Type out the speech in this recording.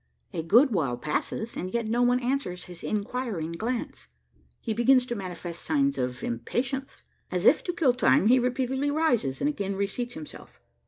A good while passes, and yet no one answers his inquiring glance. He begins to manifest signs of impatience. As if to kill time, he repeatedly rises, and again reseats himself.